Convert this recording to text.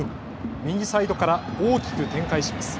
右サイドから大きく展開します。